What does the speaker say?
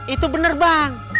itu bener bang